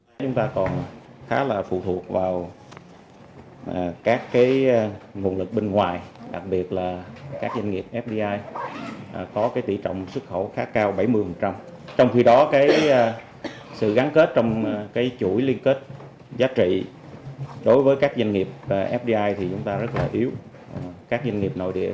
hệ thống tài chính tiền tệ khá ổn định tuy nhiên kinh tế vẫn còn phụ thuộc vào các nguồn lực bên ngoài chuỗi liên kết giá trị giữa các doanh nghiệp yếu do đó nên kinh tế vẫn đang chịu nhiều áp lực